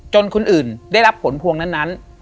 คนอื่นได้รับผลพวงนั้น